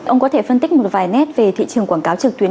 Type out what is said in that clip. ông có thể phân tích một vài nét về thị trường quảng cáo trực tuyến